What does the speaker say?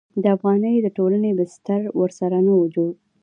د افغاني ټولنې بستر ورسره نه و جوړ.